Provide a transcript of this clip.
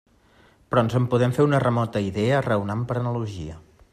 Però ens en podem fer una remota idea raonant per analogia.